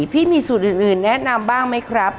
พี่มีสูตรอื่นแนะนำบ้างไหมครับ